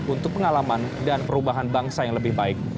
untuk pengalaman dan perubahan bangsa yang lebih baik